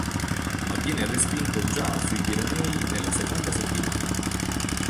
Ma viene respinto già sui Pirenei nella seconda settimana.